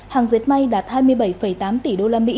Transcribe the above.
hàng dệt may đạt hai mươi bảy tám tỷ usd